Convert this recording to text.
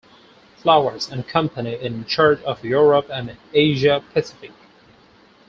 Flowers and Company in charge of Europe and Asia Pacific.